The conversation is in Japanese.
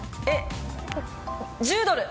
１０ドル！